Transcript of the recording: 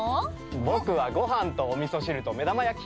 僕はごはんとおみそ汁と目玉焼き。